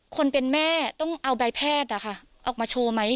คนเป็นแม่ต้องเอาใบแพทย์ออกมาโชว์ไหม